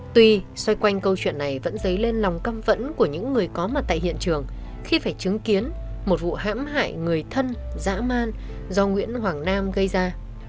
tuy xoay quanh câu chuyện này vẫn dấy lên lòng căm vẫn của những người có mặt tại hiện trường khi phải chứng kiến một vụ hãm hại người thân dã man do nguyễn hoàng nam gây ra